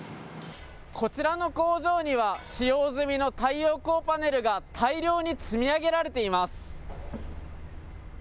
こちらの工場には、使用済みの太陽光パネルが大量に積み上げられています。